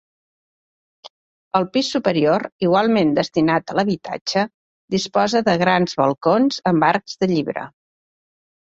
El pis superior, igualment destinat a l'habitatge, disposa de grans balcons amb arcs de llibre.